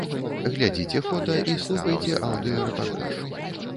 Глядзіце фота і слухайце аўдыё-рэпартаж.